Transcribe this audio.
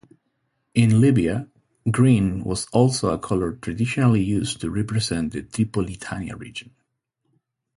In Libya, green was also a colour traditionally used to represent the Tripolitania region.